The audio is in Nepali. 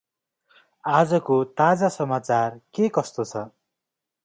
अाजको ताजा समाचार के कस्तो छ?